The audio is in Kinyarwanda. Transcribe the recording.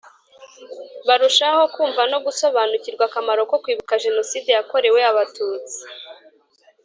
barushaho kumva no gusobanukirwa akamaro ko kwibuka Jenoside yakorewe Abatutsi